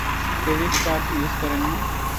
Credit card use করেন না?